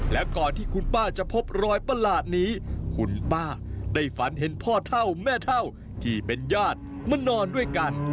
และก่อนที่คุณป้าจะพบรอยประหลาดนี้คุณป้าได้ฝันเห็นพ่อเท่าแม่เท่าที่เป็นญาติมานอนด้วยกัน